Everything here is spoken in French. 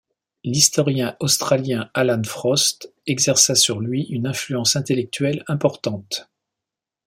L’historien australien Alan Frost exerça sur lui une influence intellectuelle importante.